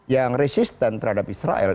yang resisten terhadap israel